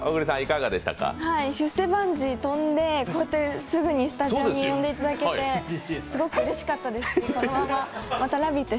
出世バンジー飛んで、こうやってすぐにスタジオに呼んでいただけてすごくうれしかったですし、このまま、また「ラヴィット！」